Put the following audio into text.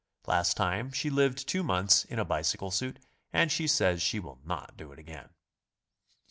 Last time she lived two months in a bicycle suit, and she says she will not do it again.